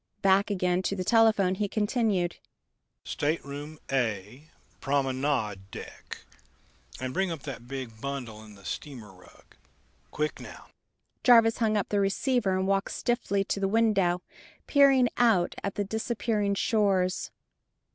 Back again to the telephone he continued: "Stateroom A, Promenade deck.... And bring up that big bundle in the steamer rug. Quick now." Jarvis hung up the receiver and walked stiffly to the window, peering out at the disappearing shores.